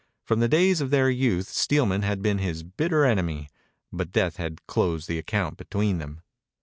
From the days of their youth Steelman had been his bitter enemy, but death had closed the account between them.